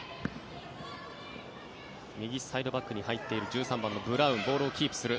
右サイドバックに入っている１３番のブラウンボールをキープする。